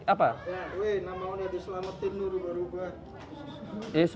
nama onnya diselamatin rubah rubah